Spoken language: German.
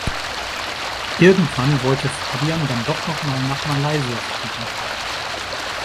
Irgendwann wollte Fabian dann doch noch mal nach Malaysia fliegen.